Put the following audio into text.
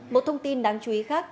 một thông tin đáng chú ý khác